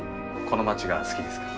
この街が好きですか？